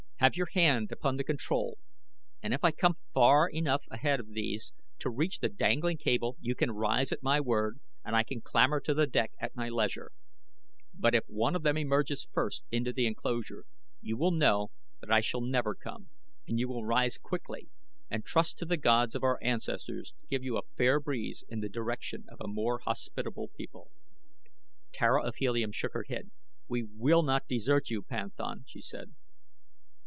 Have your hand upon the control, and if I come far enough ahead of these to reach the dangling cable you can rise at my word and I can clamber to the deck at my leisure; but if one of them emerges first into the enclosure you will know that I shall never come, and you will rise quickly and trust to the Gods of our ancestors to give you a fair breeze in the direction of a more hospitable people." Tara of Helium shook her head. "We will not desert you, panthan," she said.